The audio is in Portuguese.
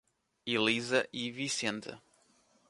Elisa e Vicente